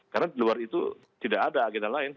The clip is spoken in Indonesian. karena di luar itu tidak ada agenda lain